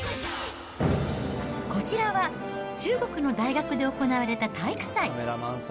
こちらは中国の大学で行われた体育祭。